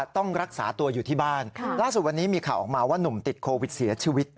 ต้องรักษาตัวอยู่ที่บ้านล่าสุดวันนี้มีข่าวออกมาว่าหนุ่มติดโควิดเสียชีวิต